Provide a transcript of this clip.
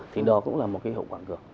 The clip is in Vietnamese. thì đó cũng là một cái hiệu quả ngược